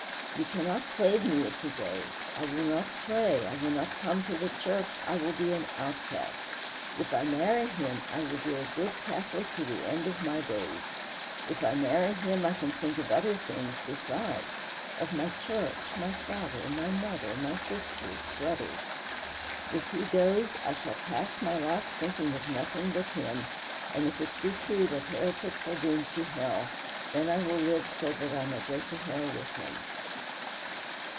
You cannot save me if he goes. I will not pray. I will not come to the church. I will be an outcast. If I marry him, I will be a good Catholic to the end of my days. If I marry him I can think of other things besides of my church, my father, my mother, my sisters, brothers. If he goes, I shall pass my life thinking of nothing but him, and if it be true that heretics are doomed to hell, then I will live so that I may go to hell with him."